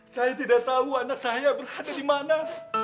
saya tidak tahu anak saya berada dimana